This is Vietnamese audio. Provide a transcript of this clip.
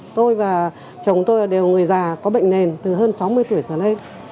tôi và chồng tôi đều người già có bệnh nền từ hơn sáu mươi tuổi trở lên